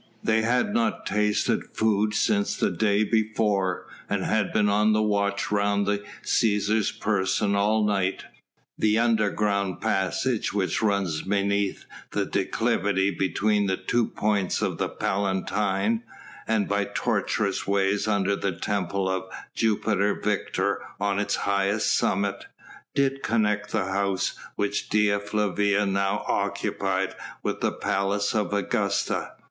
They had not tasted food since the day before, and had been on the watch round the Cæsar's person all night. The underground passage which runs beneath the declivity between the two points of the Palatine, and by tortuous ways under the temple of Jupiter Victor on its highest summit, did connect the house which Dea Flavia now occupied with the Palace of Augusta.